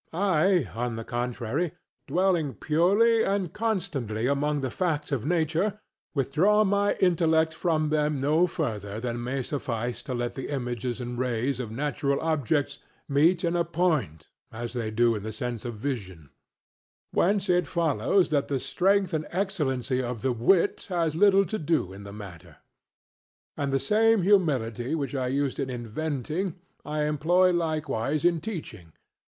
I, on the contrary, dwelling purely and constantly among the facts of nature, withdraw my intellect from them no further than may suffice to let the images and rays of natural objects meet in a point, as they do in the sense of vision; whence it follows that the strength and excellency of the wit has but little to do in the matter. And the same humility which I use in inventing I employ likewise in teaching.